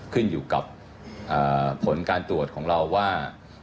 ขึ้นอยู่กับผลการตรวจของเราว่า